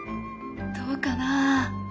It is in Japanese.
どうかな？